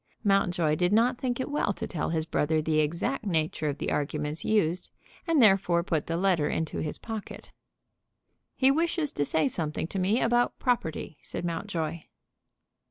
Mountjoy did not think it well to tell his brother the exact nature of the arguments used, and therefore put the letter into his pocket. "He wishes to say something to me about property," said Mountjoy.